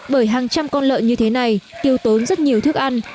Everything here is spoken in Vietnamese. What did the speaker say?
bởi hàng trăm con lợn như thế này tiêu tốn rất nhiều thức ăn